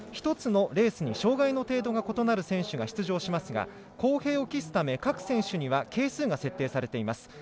１つのレースに障がいの程度が異なる選手が出場しますが公平を期すため各選手には係数が設定されています。